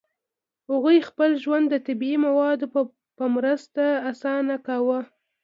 هغوی خپل ژوند د طبیعي موادو په مرسته اسانه کاوه.